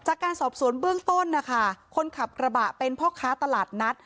จากการสอบสวนเบื้องต้นนะคะคนขับกระบะเป็นพ่อค้าตลาดนัด